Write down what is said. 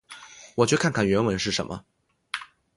我去看看原文是什么。